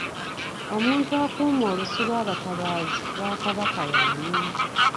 Omuntu akuuma olusu lw'abatabaazi ba Kabaka y'ani?